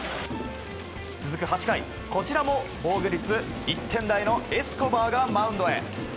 続く８回こちらも防御率１点台のエスコバーがマウンドへ。